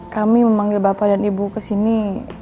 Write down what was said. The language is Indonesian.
kami memanggil bapak dan ibu kesini